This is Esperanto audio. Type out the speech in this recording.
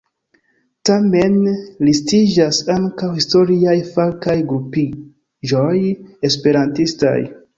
Tamen listiĝas ankaŭ historiaj fakaj grupiĝoj esperantistaj.